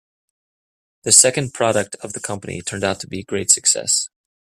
The second product of the company turned out to be a great success.